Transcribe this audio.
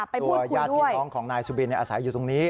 ญาติพี่น้องของนายสุบินอาศัยอยู่ตรงนี้